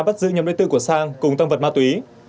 bắt giữ nhóm đối tư của sang cùng tăng vật ma túy